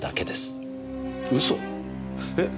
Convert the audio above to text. えっ？